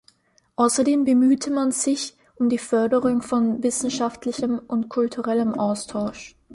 Außerdem bemühte man sich um die Förderung von wissenschaftlichem und kulturellem Austausch.